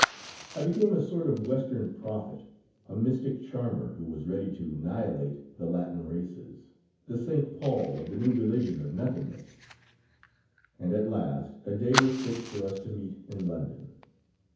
I became a sort of Western prophet, a mystic charmer who was ready to nihilate the Latin races, the Saint Paul of the new religion of nothingness, and at last a day was fixed for us to meet in London.